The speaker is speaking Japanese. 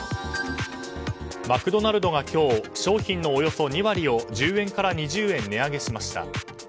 マクドナルドが今日商品のおよそ２割を１０円から２０円値上げしました。